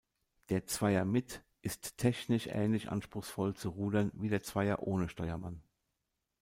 Der "Zweier mit" ist technisch ähnlich anspruchsvoll zu rudern wie der Zweier ohne Steuermann.